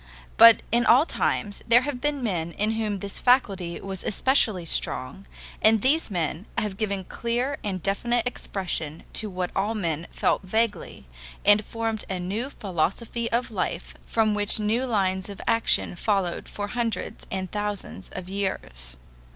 But in all times there have been men in whom this faculty was especially strong, and these men have given clear and definite expression to what all men felt vaguely, and formed a new philosophy of life from which new lines of action followed for hundreds and thousands of years.